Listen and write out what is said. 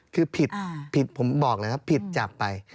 คือผิดผมบอกนะครับผิดจับไป